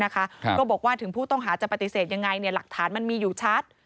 ก็บอกว่าถึงผู้ต้องหาจะปฏิเสธยังไงหลักฐานมันมีอยู่ชัด